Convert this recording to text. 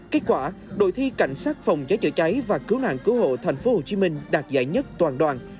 kết quả đội thi cảnh sát phòng cháy chữa cháy và cứu nạn cứu hộ tp hcm đạt giải nhất toàn đoàn